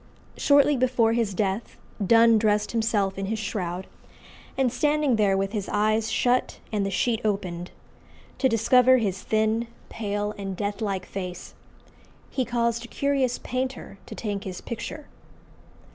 Shortly before his death Donne dressed himself in his shroud, and standing there, with his eyes shut and the sheet opened, "To discover his thin, pale, and death like face," he caused a curious painter to take his picture.